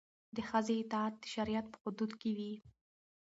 د ښځې اطاعت د شریعت په حدودو کې وي.